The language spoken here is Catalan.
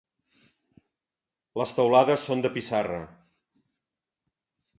Les teulades són de pissarra.